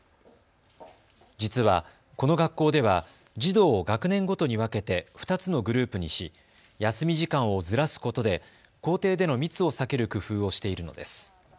実はこの学校では児童を学年ごとに分けて２つのグループにし休み時間をずらすことで校庭での密を避ける工夫をしているのです。